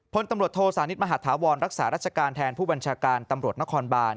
พลตำรวจโทสานิทมหาธาวรรักษารัชการแทนผู้บัญชาการตำรวจนครบาน